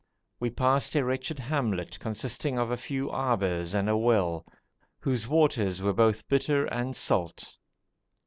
We passed a wretched hamlet consisting of a few arbours and a well, whose waters are both bitter and salt.